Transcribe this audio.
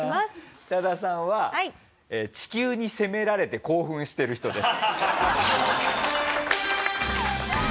キタダさんは地球に責められて興奮してる人です。